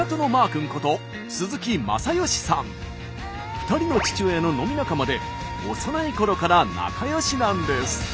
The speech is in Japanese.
２人の父親の飲み仲間で幼いころから仲よしなんです。